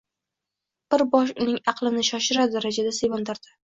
bir bosh uning aqlini shoshirar darajada sevintirdi.